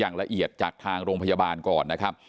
ยังละเอียดจากทางโรงพยาบาลก่อน